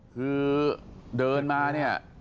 คือเดินมาเนี่ย